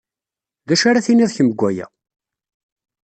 D acu ara tinid kemm deg waya?